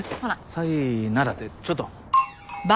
さいならってちょっと。